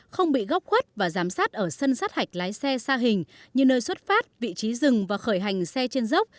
không bị góc khuất và giám sát ở sân sát hạch lái xe xa hình như nơi xuất phát vị trí rừng và khởi hành xe trên dốc